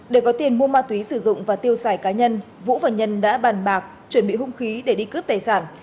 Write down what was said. để có tiền mua ma túy sử dụng và tiêu xài cá nhân vũ và nhân đã bàn bạc chuẩn bị hung khí để đi cướp tài sản